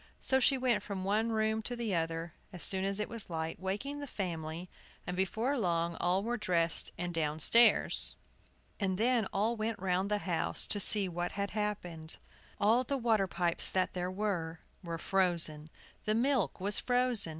So she went from one room to the other, as soon as it was light, waking the family, and before long all were dressed and downstairs. And then all went round the house to see what had happened. All the water pipes that there were were frozen. The milk was frozen.